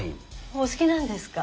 お好きなんですか？